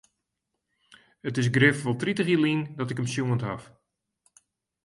It is grif wol tritich jier lyn dat ik him sjoen ha.